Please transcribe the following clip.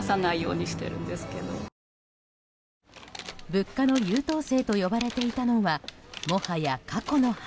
物価の優等生と呼ばれていたのはもはや過去の話。